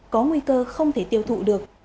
có nguy cơ không thể tiêu thụ được